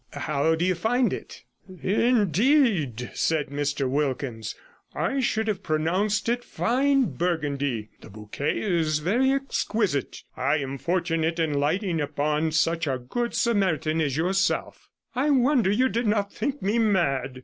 How do you find it?' 'Indeed,' said Mr Wilkins, 'I should have pronounced it fine Burgundy. The bouquet is very exquisite. I am fortunate in lighting upon such a good Samaritan as yourself: I wonder you did not think me mad.